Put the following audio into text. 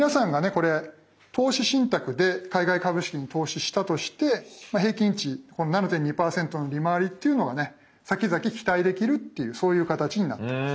これ投資信託で海外株式に投資したとして平均値７．２％の利回りっていうのがねさきざき期待できるっていうそういう形になります。